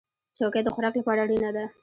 چوکۍ د خوراک لپاره اړینه ده.